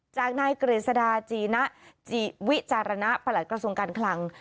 จากนายกฤษดาจีนะวิจารณะประหลัดกระทรวงการคลัง